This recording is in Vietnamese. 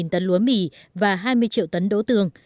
hai trăm ba mươi tấn lúa mỳ và hai mươi triệu tấn đỗ tường